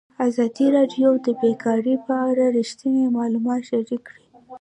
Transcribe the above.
ازادي راډیو د بیکاري په اړه رښتیني معلومات شریک کړي.